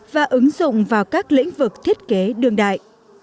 và ứng dụng vào các lĩnh vực thiết kế đương đại